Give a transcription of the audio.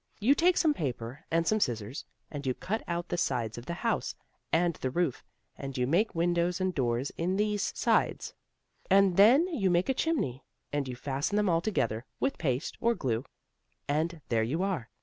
You take some paper and some scissors, and you cut out the sides of the house and the roof, and you make windows and doors in these sides, and then you make a chimney, and you fasten them all together, with paste or glue, and, there you are.